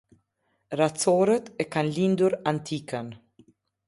Racorët e kanë lindur Antikën.